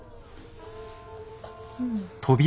うん。